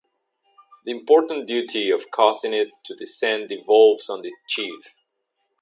The important duty of causing it to descend devolves on the chief.